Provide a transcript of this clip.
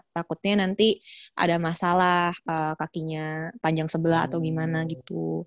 takutnya nanti ada masalah kakinya panjang sebelah atau gimana gitu